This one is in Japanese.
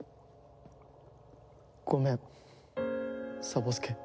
ごめんサボ助。